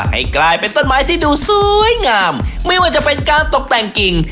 ให้กลายเป็นต้นไม้ที่ดูสวยงามไม่ว่าจะเป็นการตกแต่งกิ่ง